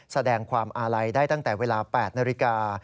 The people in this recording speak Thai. แสดงความอาลัยได้ตั้งแต่เวลา๘นาฬิกา